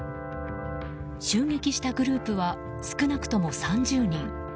襲撃したグループは少なくとも３０人。